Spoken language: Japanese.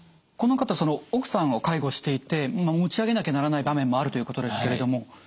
この方奥さんを介護していて持ち上げなきゃならない場面もあるということですけれども。